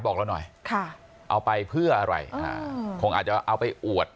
บอกเราหน่อยค่ะเอาไปเพื่ออะไรคงอาจจะเอาไปอวด